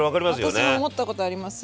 私も思ったことあります。